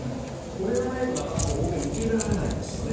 これがないと欧米はなかなか受け入れられないんですね。